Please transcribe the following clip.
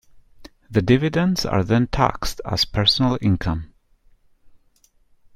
The dividends are then taxed as personal income.